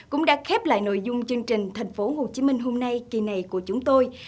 cũng đã khép lại nội dung chương trình thành phố hồ chí minh hôm nay kỳ này của chúng tôi